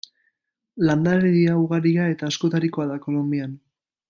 Landaredia ugaria eta askotarikoa da Kolonbian.